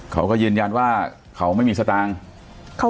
เขาก็ยืนยันว่าเขาไม่มีสตางค์